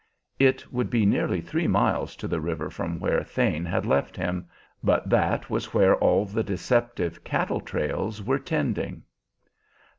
It would be nearly three miles to the river from where Thane had left him, but that was where all the deceptive cattle trails were tending.